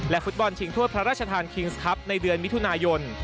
ฟุตบอลชิงถ้วยพระราชทานคิงส์ครับในเดือนมิถุนายน